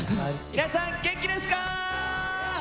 皆さん元気ですか！